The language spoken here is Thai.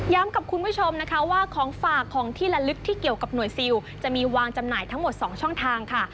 กับคุณผู้ชมนะคะว่าของฝากของที่ละลึกที่เกี่ยวกับหน่วยซิลจะมีวางจำหน่ายทั้งหมด๒ช่องทางค่ะ